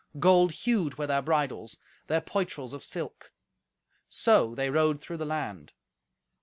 Gold hued were their bridles, their poitrels of silk; so they rode through the land.